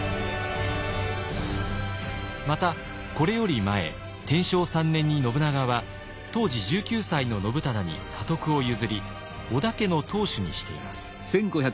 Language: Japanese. またこれより前天正３年に信長は当時１９歳の信忠に家督を譲り織田家の当主にしています。